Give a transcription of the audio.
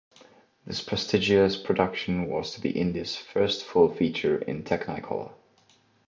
This prestigious production was to be India's first full feature in Technicolor.